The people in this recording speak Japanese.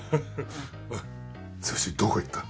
おい剛どこ行った？